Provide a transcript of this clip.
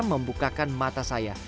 membukakan mata saya